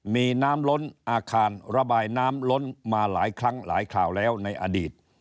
มีน้ำล้นอาคารระบายน้ำล้นมาหลายครั้งหลายข่าวแล้วในอดีต